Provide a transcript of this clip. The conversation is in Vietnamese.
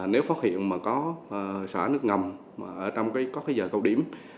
nếu phát hiện có xả nước ngầm trong các giờ câu điểm